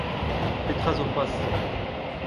Petra 'zo c'hoazh ?!